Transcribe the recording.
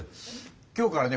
今日からね